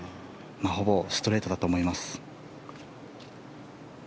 ほぼストレートだと思います。